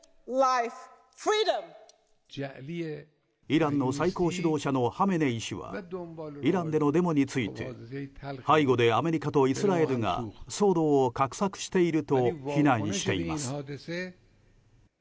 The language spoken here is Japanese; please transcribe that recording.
イランの最高指導者のハメネイ師はイランでのデモについて背後でアメリカとイスラエルが騒動を画策していると非難しています。